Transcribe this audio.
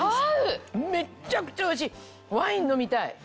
めっちゃくちゃおいしいワイン飲みたい。